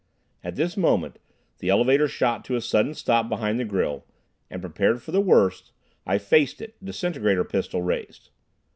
At this moment, the elevator shot to a sudden stop behind the grill, and prepared for the worst, I faced it, disintegrator pistol raised.